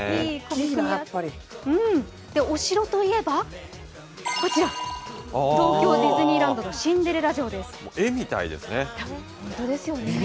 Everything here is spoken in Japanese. お城といえばこちら、東京ディズニーランドのシンデレラ城です。